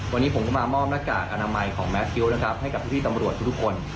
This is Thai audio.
วันนี้ผมก็มามอบหน้ากากอนามัยของแมททิวนะครับให้กับพี่ตำรวจทุกคน